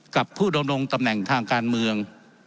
กับผู้ดำรงตำแหน่งทางการเมือง